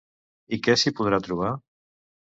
I què s'hi podrà trobar?